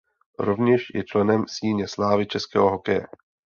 Rovněž je členem Síně slávy českého hokeje.